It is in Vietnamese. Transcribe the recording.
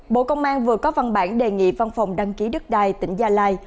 bộ công an vừa có văn bản đề nghị văn phòng đăng ký đất đai tỉnh gia lai